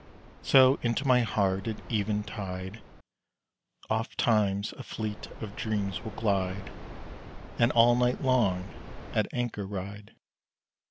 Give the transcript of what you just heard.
So into my heart at eventide Ofttimes a fleet of dreams will glide, And all night long at anchor ride.